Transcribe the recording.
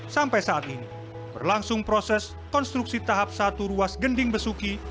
sampai saat ini berlangsung proses konstruksi tahap satu ruas gending besuki